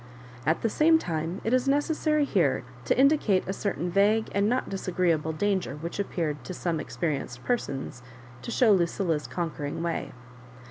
At the same time it is necessary here to indi cate a certain vague and not disagreeable danger which appeared to some experienced persons to shadow Lucilla's conquering way.